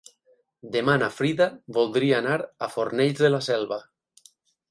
Demà na Frida voldria anar a Fornells de la Selva.